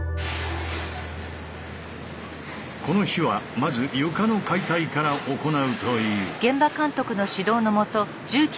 この日はまず床の解体から行うという。